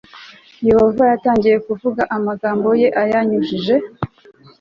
Yehova yatangiye kuvuga amagambo ye ayanyujije